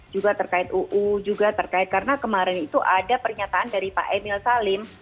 juga terkait uu juga terkait karena kemarin itu ada pernyataan dari pak emil salim